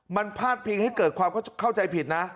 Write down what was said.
มันพาดพิงให้เกิดความเข้าใจผิดนะ